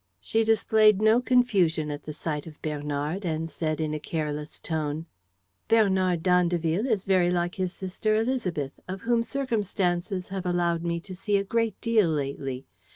She displayed no confusion at the sight of Bernard, and said, in a careless tone: "Bernard d'Andeville is very like his sister Élisabeth, of whom circumstances have allowed me to see a great deal lately.